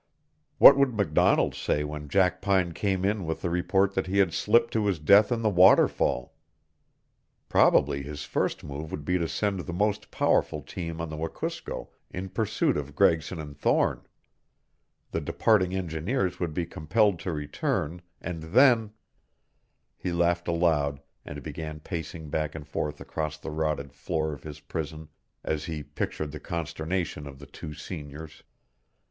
What would MacDonald say when Jackpine came in with the report that he had slipped to his death in the waterfall? Probably his first move would be to send the most powerful team on the Wekusko in pursuit of Gregson and Thorne. The departing engineers would be compelled to return, and then He laughed aloud and began pacing back and forth across the rotted floor of his prison as he pictured the consternation of the two seniors.